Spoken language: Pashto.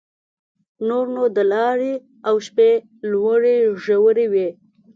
نور نو د لارې او شپې لوړې ژورې وې.